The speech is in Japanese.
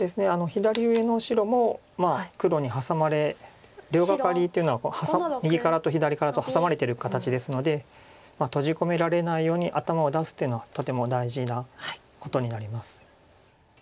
左上の白も黒にハサまれ両ガカリというのは右からと左からとハサまれてる形ですので閉じ込められないように頭を出すというのはとても大事なことになります。